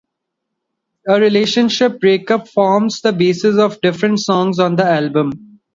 A relationship breakup forms the basis of different songs on the album.